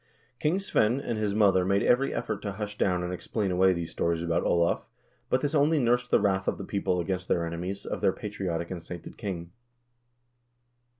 King Svein and his mother made every effort to hush down and explain away these stories about Olav, but this only nursed the wrath of the people against the enemies of their patriotic and sainted king.